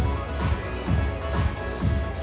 ขอบคุณครับ